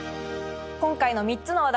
今回の３つのお題